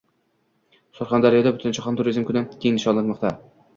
Surxondaryoda Butunjahon turizm kuni keng nishonlanmoqda